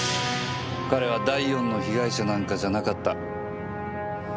彼は第４の被害者なんかじゃなかった。